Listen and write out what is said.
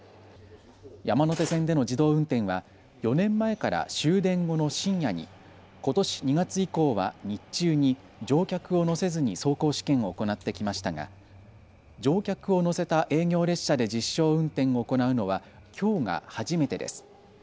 山手線での自動運転は４年前から終電後の深夜にことし２月以降は日中に乗客を乗せずに走行試験を行ってきましたが乗客を乗せた営業列車で実証運転を行うのはきょうが初めてです。